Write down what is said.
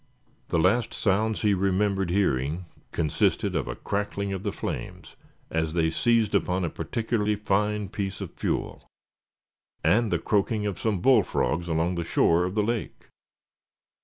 The last sounds he remembered hearing consisted of a crackling of the flames as they seized upon a particularly fine piece of fuel; and the croaking of some bullfrogs along the shore of the lake.